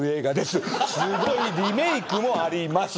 すごいリメークもあります。